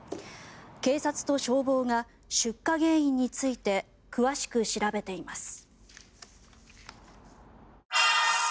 警察と消防が出火原因について詳しく調べています。